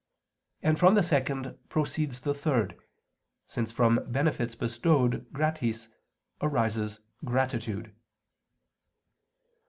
And from the second proceeds the third, since from benefits bestowed "gratis" arises "gratitude."